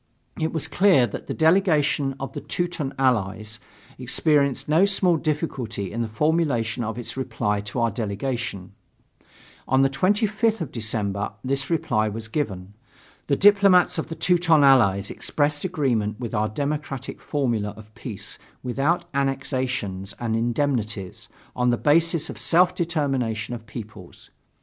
It was clear that the delegation of the Teuton Allies experienced no small difficulty in the formulation of its reply to our delegation. On the 25th of December this reply was given. The diplomats of the Teuton Allies expressed agreement with our democratic formula of peace without annexations and indemnities, on the basis of self determination of peoples.